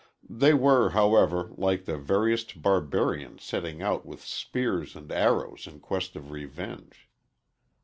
They were, however, like the veriest barbarians setting out with spears and arrows in quest of revenge.